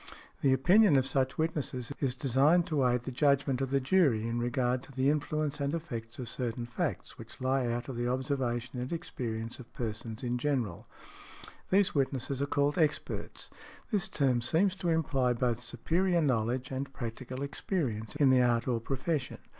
The opinion of such witnesses is designed to aid the judgment of the jury in regard to the influence and effects of certain facts which lie out of the observation and experience of persons in general . These witnesses are called "experts." This term seems to imply both superior knowledge and practical experience in the art or profession.